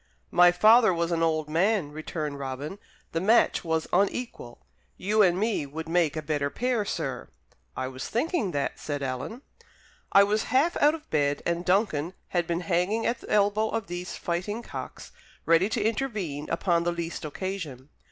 "My father was an old man," returned Robin. "The match was unequal. You and me would make a better pair, sir." "I was thinking that," said Alan. I was half out of bed, and Duncan had been hanging at the elbow of these fighting cocks, ready to intervene upon the least occasion.